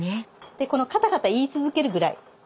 でこのカタカタ言い続けるぐらい。